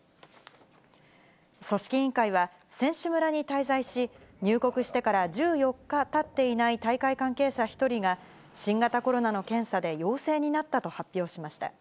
組織委員会は、選手村に滞在し、入国してから１４日たっていない大会関係者１人が、新型コロナの検査で陽性になったと発表しました。